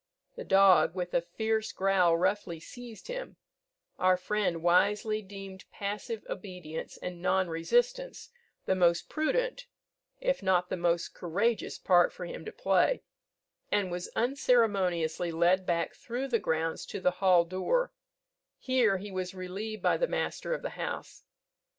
The dog with a fierce growl roughly seized him; our friend wisely deemed passive obedience and non resistance the most prudent if not the most courageous part for him to play, and was unceremoniously led back through the grounds to the hall door; here he was relieved by the master of the house.